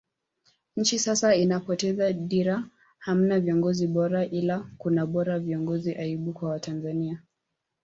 Nchi sasa inapoteza dira hamna viongozi bora ila kuna bora viongozi aibu kwa Watanzania